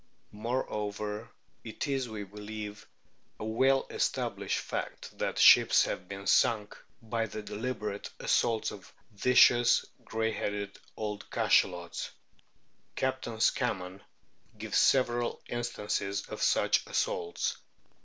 Moreover, it is we believe a well established fact that ships have been sunk by the deliberate assaults of vicious, grey headed, old Cachalots." Captain Scammon gives several instances of such assaults.